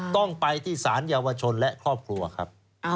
ต้องไปที่สารเยาวชนและครอบครัวครับ